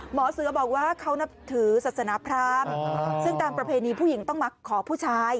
หมอเสือบอกว่าเขานับถือศาสนาพรามซึ่งตามประเพณีผู้หญิงต้องมาขอผู้ชาย